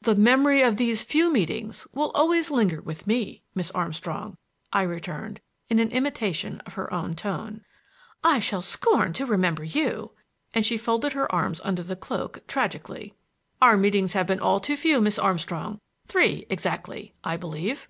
"The memory of these few meetings will always linger with me, Miss Armstrong," I returned in an imitation of her own tone. "I shall scorn to remember you!"—and she folded her arms under the cloak tragically. "Our meetings have been all too few, Miss Armstrong. Three, exactly, I believe!"